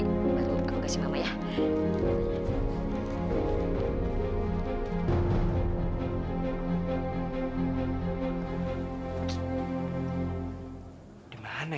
lalu aku kasih mama ya